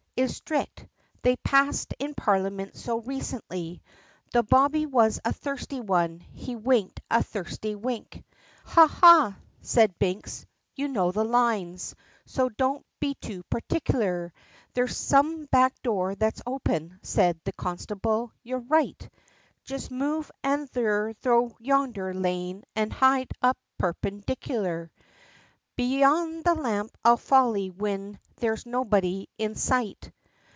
is strict, they passed in Parliament so recently," The bobbie was a thirsty one, he winked a thirsty wink. "Ha! ha!" said Binks, "You know the lines, so don't be too particular, There's some back door that's open," said the constable, "you're right; Just move an' there thro' yondher lane an' hide up perpendicular, Beyant the lamp, I'll folly whin there's nobody in sight."